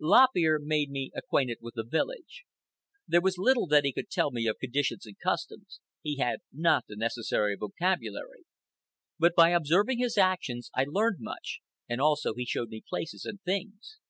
Lop Ear made me acquainted with the village. There was little that he could tell me of conditions and customs—he had not the necessary vocabulary; but by observing his actions I learned much, and also he showed me places and things.